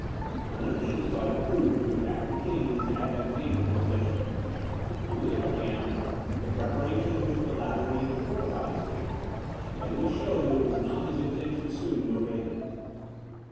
None of these thought it prudent to attack the king in his advantageous position. On the other hand, the preparations which the latter made to fortify his camp, plainly showed that it was not his intention soon to abandon it.